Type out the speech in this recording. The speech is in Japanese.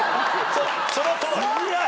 そのとおり。